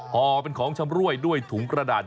ห่อเป็นของชำรวยด้วยถุงกระดาษ